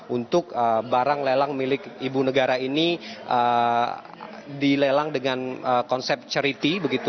untuk barang lelang milik ibu negara ini dilelang dengan konsep charity begitu